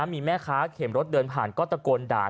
มีแม่ค้าเข็มรถเดินผ่านก็ตะโกนด่า